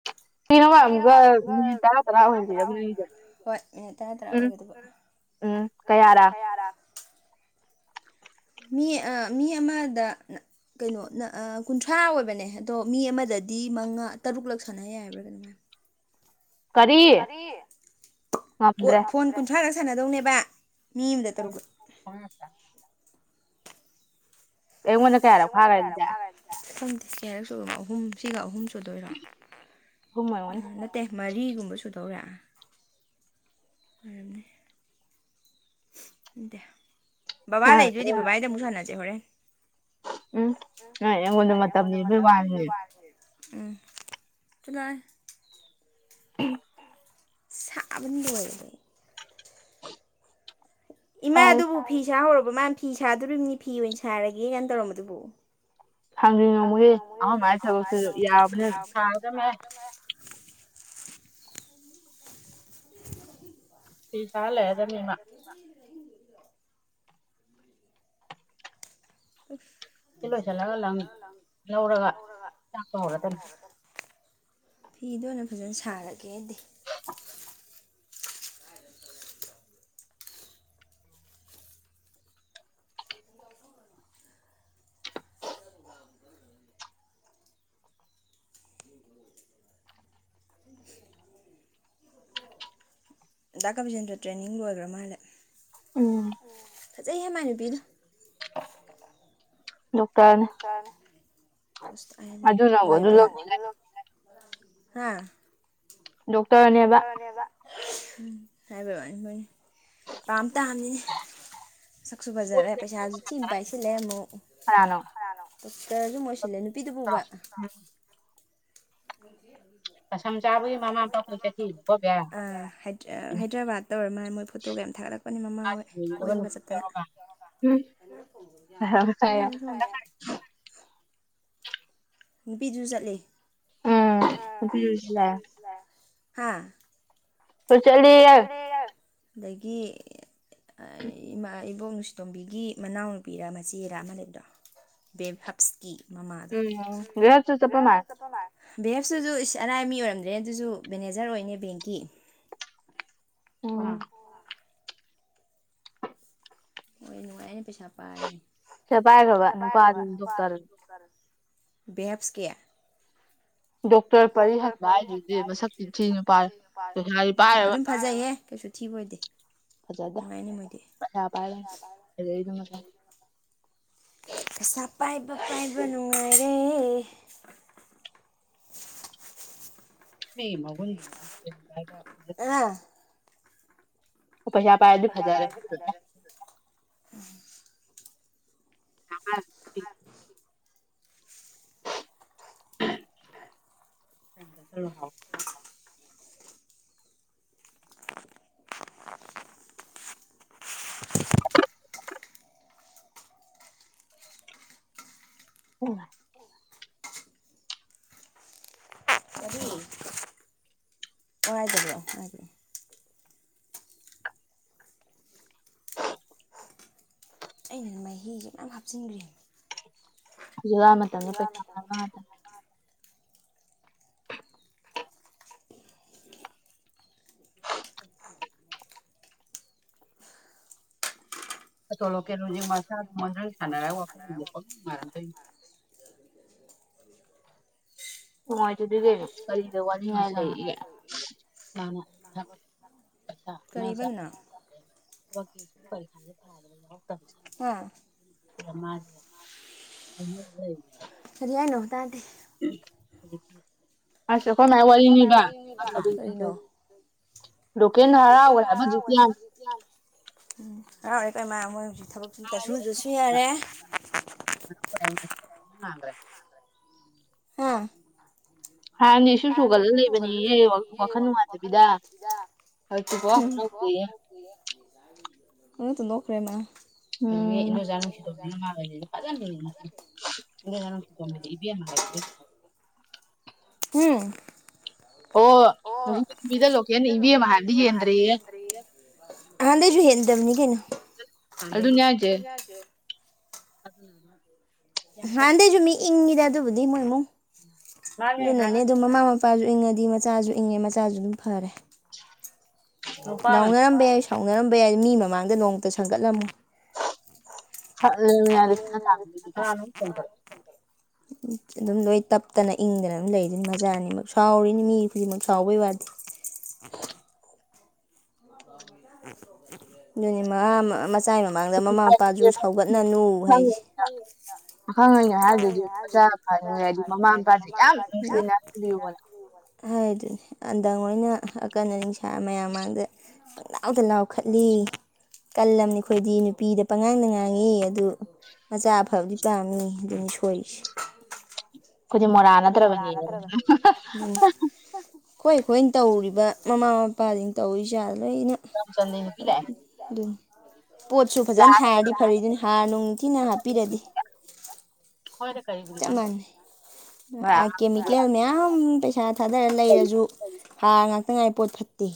[inaudible] ꯀꯩꯒꯤꯅꯣꯕꯒ ꯇꯔꯥ ꯇꯔꯥ ꯑꯣꯏ ꯃꯤ ꯍꯣꯏ ꯃꯤꯅꯤꯠ ꯇꯔꯥ ꯇꯔꯥ ꯑꯣꯏꯒꯗꯕ ꯎꯝ ꯀꯩꯌꯥꯔ ꯃꯤ ꯑ ꯃꯤ ꯑꯃꯗ ꯀꯩꯅꯣ ꯅꯑ ꯀꯨꯟꯊ꯭ꯔꯥ ꯑꯣꯏꯕꯅꯦ ꯑꯗꯣ ꯃꯤ ꯑꯃꯗꯗꯤ ꯃꯉꯥ ꯇꯔꯨꯛꯂꯛ ꯁꯥꯟꯅ ꯌꯥꯏ ꯍꯥꯏꯕ꯭ꯔꯥꯀꯩꯅꯣꯝ ꯍꯥꯏ ꯀꯔꯤ ꯀꯣ ꯐꯣꯟ ꯀꯨꯟꯊ꯭ꯔꯥꯔꯛ ꯁꯥꯟꯅꯗꯧꯅꯦꯕ ꯃꯤ ꯑꯃꯗ ꯇꯔꯨꯛꯂꯛ [unintelligible] ꯑꯩꯉꯣꯟꯗ ꯀꯌꯥꯔꯛ ꯐꯥꯈ꯭ꯔꯦꯗꯨꯗꯤ꯫ ꯈꯪꯗꯦ ꯀꯌꯥꯔꯛ ꯁꯨꯕꯅꯣ ꯑꯍꯨꯝ ꯁꯤꯒ ꯑꯍꯨꯝ ꯁꯨꯗꯣꯏꯔꯣ ꯎ ꯇꯦ ꯃꯔꯤꯒꯨꯝꯕ ꯁꯨꯗꯧꯔ [unintelligible] ꯕꯕꯥ ꯂꯩꯗꯨꯗꯤ ꯕꯕꯥꯏꯗ ꯑꯃꯨꯛ ꯁꯥꯟꯅꯖꯦ ꯍꯣꯔꯦꯟ ꯎꯝ ꯅꯩ ꯑꯩꯉꯣꯟꯗ ꯃꯇꯝꯂꯦꯟꯕꯩ ꯋꯥꯅꯤꯅꯦ [inaudible] ꯎꯝ ꯀꯗꯥꯏ [unintelligible] ꯁꯥꯕꯅ ꯂꯣꯏꯔꯦ ꯏꯃꯥꯗꯨꯕꯨ ꯐꯤ ꯁꯥ ꯍꯧꯔꯕ ꯃꯥꯅ ꯐꯤ ꯁꯥꯗꯣꯔꯤꯕꯅꯤ ꯐꯤ ꯑꯣꯏꯅ ꯁꯥꯔꯒꯦ ꯀꯥꯏꯅ ꯇꯧꯔꯝꯕꯗꯨꯕꯨ ꯊꯥꯡꯖꯤꯡ ꯑꯃꯨꯛ ꯍꯦꯛꯏ ꯑꯈꯣꯏꯃꯥꯏ ꯊꯕꯛꯁꯤ ꯌꯥꯕꯅꯤ ꯑꯗꯨꯝ ꯐꯤ ꯁꯥ ꯂꯩꯔꯗꯝꯅꯤ ꯏꯃꯥ [inaudible] [unintelligible] ꯁꯤ ꯂꯣꯏꯁꯤꯜꯂꯒ ꯂꯪ ꯂꯧꯔꯒ ꯆꯥꯛꯄ ꯍꯧꯔꯗꯝ ꯐꯤꯗꯣ ꯑꯣꯏꯅ ꯐꯖꯅ ꯁꯥꯔꯒꯦꯗꯦ [inaudible] ꯗꯥ ꯀꯕꯤꯆꯟꯗ꯭ꯔ ꯇ꯭ꯔꯦꯅꯤꯡ ꯂꯣꯏꯈ꯭ꯔ ꯃꯥꯜꯂꯦ ꯎꯝ ꯐꯖꯩꯍꯦ ꯃꯥꯏ ꯅꯨꯄꯤꯗꯨ ꯗꯣꯛꯇꯔꯅꯦ ꯄꯣꯁ ꯇꯥꯏ ꯃꯣꯏꯕꯟ ꯍꯥꯥ ꯗꯣꯛꯇꯔꯅꯦꯕ ꯅꯦꯕ [unintelligible] ꯎꯝ ꯍꯥꯏꯕ ꯋꯥꯅꯤ ꯃꯣꯏꯅꯤ ꯄꯥꯝ ꯇꯥꯕꯅꯤꯅꯦ ꯁꯛꯁꯨ ꯐꯖꯔꯦ ꯄꯩꯁꯥꯁꯨ ꯊꯤꯅ ꯄꯥꯏꯁꯤꯜꯂꯦ ꯑꯃꯨꯛ ꯀꯅꯥꯅꯣ ꯗꯣꯛꯇꯔꯁꯨ ꯑꯣꯏꯁꯤꯜꯂꯦ ꯅꯨ ꯄꯤꯗꯨꯕꯨꯕ [unintelligible] ꯑ ꯍꯥꯏꯗꯔ ꯍꯥꯏꯗ꯭ꯔꯕꯥꯗ ꯑꯣꯏꯔ ꯃꯥꯜ ꯃꯣꯏ ꯐꯣꯇꯣꯒ ꯌꯥꯝ ꯊꯥꯒꯠꯂꯛꯄ ꯄꯅꯦ ꯃꯃꯥꯍꯣꯏ ꯀꯣꯏꯕꯒ ꯆꯠꯇꯅ ꯎꯝ [unintelligible] ꯅꯨꯄꯤꯗꯨꯁꯨ ꯆꯠꯂꯤ [unintelligible] ꯍꯥ [unintelligible] ꯑꯗꯒꯤ ꯑ ꯏꯃꯥ ꯏꯕꯣꯛ ꯅꯨꯡꯁꯤꯇꯣꯝꯕꯤꯒꯤ ꯃꯅꯥꯎꯅꯨꯄꯤꯔ ꯃꯆꯦꯔꯥ ꯑꯃ ꯂꯩꯕꯗꯣ ꯕꯦ ꯍꯞꯁꯀꯤ ꯃꯃꯥꯗꯣ꯫ ꯕꯦ ꯍꯞꯁꯗꯨꯁꯨ ꯏꯁ ꯑꯔꯥꯏꯕ ꯃꯤ ꯑꯣꯏꯔꯝꯗ꯭ꯔꯦ ꯑꯗꯨꯁꯨ ꯃꯦꯅꯦꯖꯔ ꯑꯣꯏꯅꯦ ꯕꯦꯡꯀꯤ ꯎꯝ ꯃꯣꯏ ꯅꯨꯡꯉꯥꯏꯔꯦꯅꯦ ꯄꯩꯁꯥ ꯄꯥꯏ ꯄꯩꯁꯥ ꯄꯥꯏꯈ꯭ꯔꯕ ꯅꯨꯄꯥ ꯗꯨꯁꯨ ꯗꯣꯛꯇꯔꯅꯦ [unintelligible] ꯕꯦ ꯍꯞꯁꯀꯤ? ꯗꯣꯛꯇꯔ ꯄꯔꯤꯍꯟꯕ ꯍꯥꯏꯁꯤꯗꯤ ꯃꯁꯛ ꯊꯤ ꯅꯨꯄꯥ ꯑꯗꯨꯝ ꯐꯖꯩ ꯀꯩꯁꯨ ꯊꯤꯕ ꯑꯣꯏꯗꯦ ꯅꯨꯡꯉꯥꯏꯅꯤ ꯃꯣꯏꯗꯤ ꯄꯩꯁꯥ ꯄꯥꯏꯕꯩꯅꯦ ꯐꯖꯔꯤꯗꯣ ꯃꯁꯛ ꯄꯩꯁꯥ ꯄꯥꯏꯕ ꯄꯥꯏꯕ ꯅꯨꯡꯉꯥꯏꯔꯦ [unintelligible] ꯑ ꯑꯣ ꯄꯩꯁꯥ ꯄꯥꯏꯔꯗꯤ ꯐꯖꯔꯦ ꯃꯤ ꯂꯣꯏꯅ [unintelligible] [unintelligible] [unintelligible] [unintelligible] [unintelligible] ꯀꯔꯤ? ꯑꯣ ꯍꯥꯏꯗꯕꯔꯣ ꯍꯥꯏꯗꯦ ꯑꯩꯅ ꯃꯍꯤꯖꯦ ꯃꯌꯥꯝ ꯍꯥꯞꯆꯤꯟꯒ꯭ꯔꯤꯅꯦ ꯖꯨꯂꯥ ꯃꯇꯝꯗ ꯄꯩꯁꯥ ꯆꯪꯉꯗꯝ꯫ ꯑ ꯇꯣꯂꯣꯀꯦꯂꯣꯖꯤꯛ ꯃꯁꯥ ꯃꯣꯟꯗ꯭ꯔꯪ ꯁꯥꯟꯅꯔꯒ ꯋꯥꯈꯜ ꯑꯃꯗ ꯄꯪꯅꯨꯡ ꯅꯨꯉꯥꯏꯔꯝꯗꯨꯏꯟ꯫ ꯅꯨꯡꯉꯥꯏꯇꯗꯤ ꯀꯩꯅꯣ ꯀꯔꯤꯗ ꯋꯥꯅꯤꯡꯉꯥꯏ ꯂꯩꯒꯦ ꯃꯥꯅꯦ꯫ ꯄꯩꯁꯥ [unintelligible] ꯄꯔꯤꯈꯥꯁꯦ ꯊꯥꯕ ꯌꯥꯎꯔꯛꯇꯕꯁꯦ ꯍꯥ ꯃꯥꯁꯦ [unintelligible] ꯀꯔꯤ ꯍꯥꯏꯅꯣ ꯇꯥꯗꯦ꯫ ꯑꯁ ꯑꯈꯣꯏ ꯃꯥꯏ ꯋꯥꯔꯤꯅꯤꯕ꯫ ꯂꯣꯀꯦꯟꯅ ꯍꯥꯔꯥꯎꯒꯔꯦ ꯍꯥꯏꯕ ꯖꯤꯛꯇꯤ ꯌꯥꯝ ꯎꯝ ꯍꯔꯥꯎꯔꯦ ꯀꯩꯃꯥꯏꯅ ꯃꯣꯏ ꯍꯧꯖꯤꯛ ꯊꯕꯛ ꯑꯝꯇ ꯁꯨꯗꯁꯨ ꯌꯥꯔꯦ ꯥ [unintelligible] ꯍꯥ ꯍꯥꯟꯅ ꯏꯁꯨ ꯁꯨꯒꯠꯂꯒ ꯂꯩꯕꯅꯦꯑꯦ ꯋꯥꯈꯜ ꯅꯨꯡꯉꯥꯏꯇꯕꯤꯗ [unintelligible] ꯄꯪꯅꯣꯛꯇ ꯅꯣꯛꯈ꯭ꯔꯦ ꯃꯥ ꯎꯝ ꯑꯩꯩꯅ ꯑꯣꯖꯥ ꯅꯨꯡꯁꯤ [unintelligible] [unintelligible] ꯎꯝ [unintelligible] ꯅꯍꯟꯗꯩꯁꯨ ꯍꯦꯟꯗꯕꯅꯤ ꯀꯩꯅꯣ ꯑꯗꯨꯅꯦ ꯍꯥꯏꯖꯦ ꯍꯥꯟꯗꯩꯁꯨ ꯃꯤ ꯏꯪꯉꯤꯗ ꯑꯗꯨꯕꯨꯗꯤ ꯃꯣꯏ ꯏꯃꯨꯡ ꯑꯗꯨꯅꯅꯦ ꯑꯗꯣ ꯃꯃꯥ ꯃꯄꯥꯁꯨ ꯏꯪꯉꯗꯤ ꯃꯆꯥꯁꯨ ꯏꯪꯉꯦ ꯃꯆꯥꯁꯨ ꯑꯗꯨꯝ ꯐꯔꯦ ꯂꯥꯎꯅꯔꯝꯕ ꯌꯥꯏ ꯁꯥꯎꯅꯔꯝꯕ ꯌꯥꯏ ꯃꯤ ꯃꯃꯥꯡꯗ ꯅꯣꯡꯃꯇ ꯁꯪꯒꯠꯂꯝꯃꯨ [unintelligible] [inaudible] ꯑꯗꯨꯝ ꯂꯣꯏ ꯇꯞꯇꯅ ꯏꯪꯗꯅ ꯑꯗꯨꯝ ꯂꯩꯔꯤ ꯃꯆꯥ ꯑꯅꯤꯃꯛ ꯁꯥꯎꯔꯤꯅꯤ ꯃꯤ ꯈꯨꯗꯤꯡꯃꯛ ꯁꯥꯎꯕꯩ ꯋꯥꯗꯤ [unintelligible] [inaudible] ꯑꯗꯨꯅꯤ ꯃ ꯃꯆꯥꯥꯏ ꯃꯃꯥꯡꯗ ꯃꯃꯥ ꯃꯄꯥꯁꯨ ꯁꯥꯎꯒꯠꯅꯅꯨ ꯍꯥꯏꯁꯦ ꯑ [unintelligible] ꯍꯥꯏꯗꯨꯅꯤ ꯑꯟꯗꯪ ꯑꯣꯏꯅ ꯑꯀꯟꯅ ꯅꯤꯡꯁꯥ ꯃꯌꯥꯝ ꯃꯥꯡꯗ ꯂꯥꯎꯗ ꯂꯥꯎꯈꯠꯂꯤ ꯀꯜꯂꯝꯅꯤ ꯑꯩꯈꯣꯏꯗꯤ ꯅꯨꯄꯤꯗ ꯄꯉꯥꯡꯅ ꯉꯥꯡꯉꯤ ꯑꯗꯨ ꯃꯆꯥ ꯑꯐꯕꯗꯤ ꯄꯥꯝꯃꯤ ꯑꯗꯨꯅꯤ ꯁꯣꯏꯔꯤꯁꯦ ꯑꯩꯈꯣꯏꯗꯤ ꯃꯣꯔꯥ ꯅꯠꯇ꯭ꯔꯕꯅꯤꯅ ꯑꯩꯈꯣꯏ ꯑꯩꯈꯣꯏꯅ ꯇꯧꯔꯤꯕ ꯃꯃꯥ ꯃꯄꯥꯁꯤꯡ ꯇꯧꯔꯤꯁꯦꯗ ꯂꯣꯏꯅ ꯑꯗꯨ ꯄꯣꯠꯁꯨ ꯐꯖꯅ ꯊꯥꯔꯗꯤ ꯐꯔꯗꯨꯅꯤ ꯍꯥꯔ ꯅꯨꯡꯊꯤꯅ ꯍꯥꯞꯄꯤꯔꯗꯤ ꯍꯣꯏꯗ ꯀꯔꯤꯕꯨ ꯀꯥꯟꯗ ꯑ ꯀꯦꯃꯤꯀꯦꯟ ꯃꯌꯥꯝ ꯄꯩꯁꯥ ꯊꯥꯗꯔ ꯂꯩꯔꯁꯨ ꯍꯥꯔ ꯉꯥꯛꯇꯉꯥꯏ ꯄꯣꯠ ꯐꯠꯇꯦ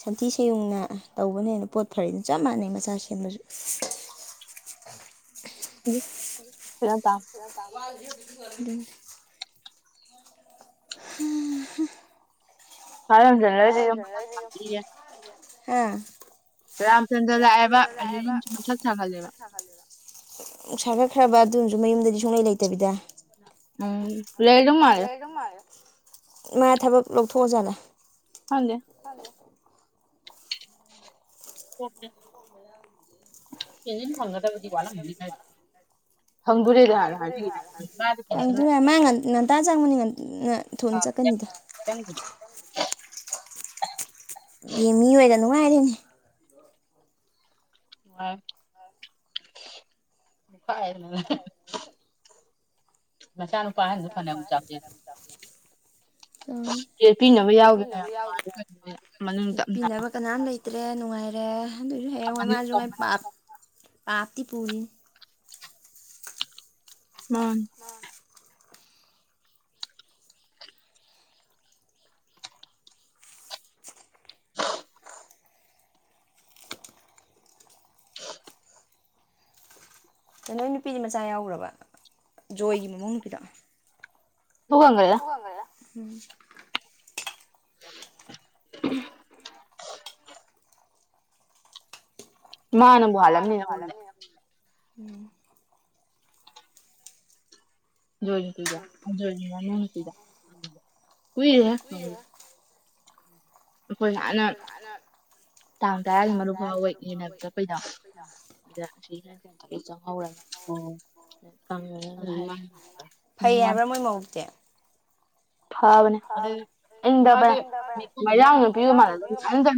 ꯁꯟꯊꯤ ꯁꯌꯨꯡꯅ ꯇꯧꯕꯅꯦꯅ ꯄꯣꯠ ꯐꯔꯤꯗꯨ ꯆꯞ ꯃꯥꯟꯅꯩ ꯃꯆꯥ ꯁꯦꯝꯕꯁꯨ [unintelligible] ꯈꯦꯅ ꯇꯥꯝ [unintelligible] [unintelligible] ꯐꯔ [unintelligible] [unintelligible] ꯍꯥ ꯔꯥꯝꯆꯟꯗ꯭ꯔ ꯂꯥꯛꯑꯦꯕ [unintelligible] ꯃꯊꯛ ꯁꯥꯒꯜꯂꯦꯕ ꯎꯝ ꯁꯥꯒꯠꯈ꯭ꯔꯕ ꯑꯗꯨꯃꯁꯨ ꯃꯌꯨꯝꯗꯗꯤ ꯁꯨꯡꯂꯩ ꯂꯩꯇꯕꯤꯗ ꯎꯝ ꯂꯩꯔꯗꯧ ꯃꯥꯂꯦ ꯃꯥ ꯊꯕꯛ ꯂꯧꯊꯣꯛꯑꯖꯥꯠꯂ ꯈꯪꯗꯦ [unintelligible] ꯄꯦꯟꯖꯤꯟ ꯐꯪꯒꯗꯕꯗꯤ ꯋꯥꯠꯂꯝꯒꯤꯅꯤꯗ [unintelligible] ꯐꯪꯗꯨꯔꯦꯗ [unintelligible] ꯃꯥꯢ ꯉꯟ ꯉꯟꯇꯥ ꯆꯪꯕꯅꯤ ꯉꯟ ꯑꯥ [unintelligible] ꯆꯪ ꯕꯦꯃꯤ ꯑꯣꯏꯒ ꯅꯨꯡꯉꯥꯏꯔꯤꯅꯦ ꯑꯥꯢ [unintelligible] ꯃꯆꯥꯅꯨꯄꯥ ꯑꯍꯟꯁꯨ ꯐꯅ꯭ꯌꯥꯝ ꯆꯥꯎꯖ ꯌꯦꯠꯄꯤꯅꯕ ꯌꯥꯎꯗꯅ ꯌꯥꯝ ꯅꯨꯡꯉꯥꯏꯕ ꯀꯩꯅꯣꯅꯦ ꯃꯅꯤꯡ ꯇꯝꯅ ꯐꯠꯇ꯭ꯔꯦ ꯅꯨꯡꯉꯥꯏꯔꯦ ꯑꯗꯨꯏꯁꯨ ꯍꯌꯦꯡꯋꯥꯥꯏ ꯃꯥꯁꯨ ꯃꯥꯏ ꯄꯥꯞ ꯄꯥꯞꯇꯤ ꯄꯨꯔꯤꯅꯤ ꯃꯥ ꯃꯥ ꯀꯩꯅꯣꯢ ꯅꯨꯄꯤꯗꯤ ꯃꯆꯥ ꯌꯥꯎꯒ꯭ꯔꯕ ꯖꯣꯏꯒꯤ ꯃꯃꯧ ꯅꯨꯄꯤꯗꯣ ꯊꯣꯡ ꯍꯥꯡꯒꯔꯦ [unintelligible] [unintelligible] ꯃꯥꯅꯪꯕꯨ ꯍꯜꯂꯝꯅꯤ ꯅꯉꯣꯟꯗꯩ ꯎꯝ ꯖꯣꯏꯒꯤ ꯅꯨꯄꯤꯗꯣ ꯖꯣꯏꯒꯤ ꯃꯃꯧ ꯅꯨꯄꯤꯗꯣ ꯀꯨꯏꯔꯦꯍꯦ ꯑꯈꯣꯏ ꯍꯥꯟꯅ ꯇꯥꯡ ꯇꯔꯥꯒꯤ ꯃꯔꯨꯞ ꯐꯥꯎꯕꯩ ꯌꯦꯅꯕ ꯆꯠꯄꯩꯗꯣ ꯑꯗꯨꯗ [unintelligible] [unintelligible] ꯐꯩ ꯍꯥꯏꯕ꯭ꯔꯥ ꯃꯣꯏ ꯃꯧꯗꯨꯗꯤ ꯐꯥꯕꯅꯦ ꯑꯗꯨ [unintelligible] ꯃꯃꯧ ꯅꯨꯄꯤꯒꯥ ꯃꯥꯟꯅꯗꯦ ꯍꯥꯏꯕ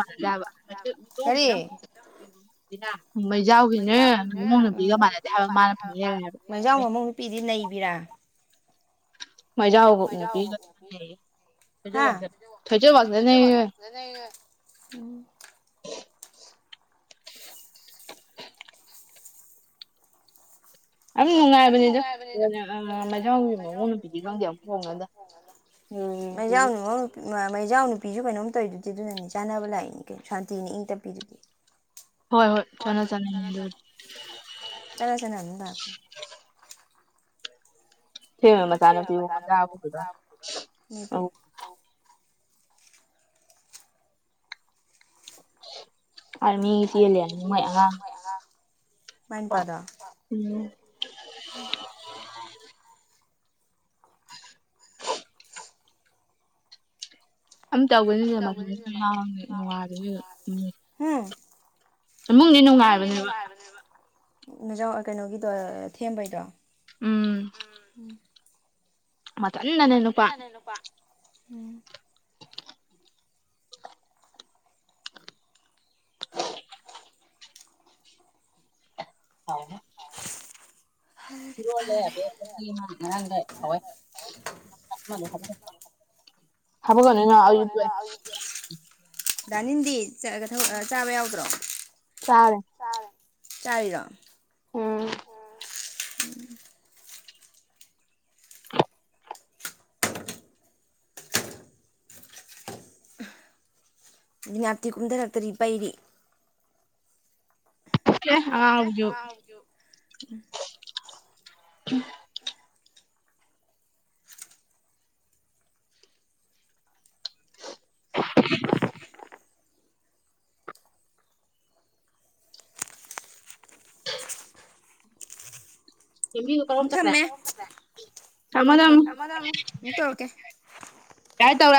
[unintelligible] ꯃꯩꯖꯥꯎꯒꯤꯅꯦ ꯃꯃꯧ ꯅꯨꯄꯤꯒ ꯃꯥꯟꯅ ꯑꯗꯣ ꯃꯥꯅ ꯐꯪꯅꯤ ꯍꯥꯏ ꯍꯥꯏꯕ ꯃꯩꯖꯥꯎ ꯃꯃꯧ ꯅꯨꯄꯤꯖꯤ ꯅꯩꯕꯤꯔꯥ ꯃꯩꯖꯥꯎ ꯅꯨꯄꯤꯒ ꯃꯥꯟꯅꯩꯌꯦꯌꯦ [unintelligible] ꯉꯥꯛꯇꯅꯦꯌꯦ ꯑꯗꯨꯅꯦ ꯎꯝ ꯑꯗꯨꯝ ꯅꯨꯡꯉꯥꯏꯕꯅꯦꯗꯥ ꯃꯩꯖꯥꯎꯒꯤ ꯃꯃꯧ ꯅꯨꯄꯤꯗꯤ ꯈꯪꯗꯦ ꯑꯃꯨꯛ [unintelligible] ꯎꯝ [unintelligible] ꯀꯩꯅꯣꯝ ꯃꯩꯖꯥꯎ ꯅꯨꯄꯤꯁꯨ ꯀꯩꯅꯣꯝ ꯇꯧꯔꯤꯗꯨꯗꯤ ꯑꯗꯨꯅꯅꯤ ꯆꯥꯟꯅꯕ ꯂꯥꯛꯏꯅꯤ ꯀꯩ ꯁꯥꯟꯇꯤꯅ ꯏꯪ ꯇꯞꯄꯤꯗꯨꯗꯤ ꯍꯣꯏ ꯍꯣꯏ ꯆꯥꯅ ꯆꯥꯟꯅꯩꯌꯦ ꯑꯗꯨ [unintelligible] [unintelligible] ꯑꯧ ꯑꯧ ꯑꯅꯤ ꯆꯦꯂꯤ ꯍꯥꯢꯃꯤ ꯃꯣꯢ ꯑꯉꯥꯡ ꯃꯥꯏ ꯅꯨꯄꯥꯗꯣ ꯑꯝ ꯇꯧꯒꯅꯤꯅꯦ ꯃꯃ ꯅꯨꯡꯉꯥꯏꯔꯦ ꯎ ꯍꯝ ꯏꯃꯨꯡꯗꯤ ꯅꯨꯡꯉꯥꯏꯕꯅꯦꯕ ꯅꯨꯖꯥꯎꯏ ꯑꯥ ꯀꯩꯅꯣꯒꯤꯗꯣ ꯊꯦꯝꯕꯩꯗꯣ ꯎꯨꯝ ꯃꯊꯟꯗꯅꯤ ꯅꯨꯄꯥ ꯎꯨꯝ ꯍ‌ꫭꯏ ꯍꯔꯣꯜꯂꯦ ꯆꯍꯤ ꯉꯔꯥꯡꯗ ꯍꯋꯥꯏ ꯍꯥꯞꯄꯛꯀꯅꯨ ꯏꯃꯥ ꯑꯩꯗꯤ ꯇꯣꯛꯑꯦ ꯗꯥꯅꯤꯟꯗꯤ ꯆꯥꯒ ꯊꯛꯎꯨ ꯑꯥ ꯆꯥꯕ ꯌꯥꯎꯗ꯭ꯔꯣ ꯌꯥꯎꯌ‌ꯦ ꯆꯥꯏꯔꯣ ꯎꯨꯝ ꯎꯝ ꯕꯤꯅꯥꯞꯇꯤ ꯀꯨꯝꯊꯔꯛꯇꯗꯤ ꯄꯩꯔꯤ ꯍ‌ꯦ ꯑꯉꯥꯎꯕꯤꯅꯤ ꯑꯉꯥꯎꯕꯤꯗꯨ [inaudible] ꯊ‌ꯦꯝꯕꯤꯗꯨ ꯀꯔꯣꯝ ꯆꯠ꯭ꯔꯦ ꯊꯝꯃꯣ ꯊꯝꯃꯣ ꯑꯩ ꯇꯧꯔꯥ